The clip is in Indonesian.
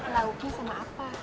lauknya sama apa